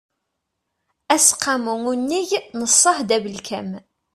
aseqqamu unnig n ṣṣehd abelkam